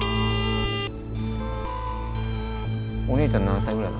・お姉ちゃん何歳ぐらい？